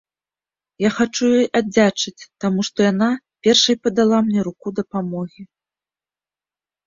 Я хачу ёй аддзячыць, таму што яна першай падала мне руку дапамогі.